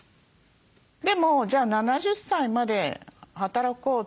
でも「じゃあ７０歳まで働こう。